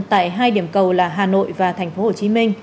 tại hai điểm cầu là hà nội và tp hcm